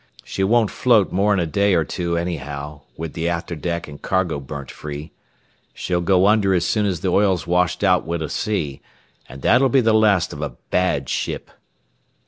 She won't float more'n a day or two, anyhow, wid th' afterdeck an' cargo burnt free. She'll go under as soon as the oil's washed out wid a sea, and that'll be th' last av a bad ship."